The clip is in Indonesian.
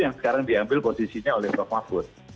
yang sekarang diambil posisinya oleh prof mahfud